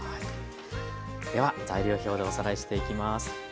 では材料表でおさらいしていきます。